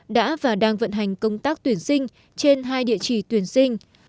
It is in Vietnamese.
đã và đang vận hành công tác tuyển sinh trên hai địa chỉ tuyển sinh